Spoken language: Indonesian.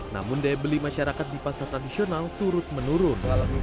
namun debli masyarakat di pasar tradisional turut menurun